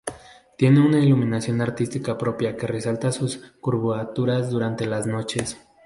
Tiene una iluminación artística propia que resalta sus curvaturas durante las noches.